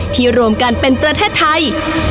รวมกันเป็นประเทศไทย